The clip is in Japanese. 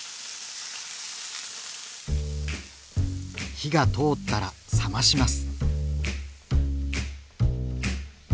火が通ったら冷まします。